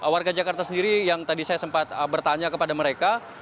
warga jakarta sendiri yang tadi saya sempat bertanya kepada mereka